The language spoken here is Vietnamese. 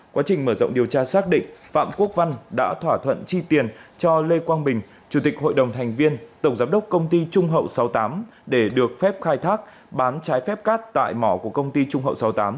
quá trình mở rộng điều tra xác định phạm quốc văn đã thỏa thuận chi tiền cho lê quang bình chủ tịch hội đồng thành viên tổng giám đốc công ty trung hậu sáu mươi tám để được phép khai thác bán trái phép cát tại mỏ của công ty trung hậu sáu mươi tám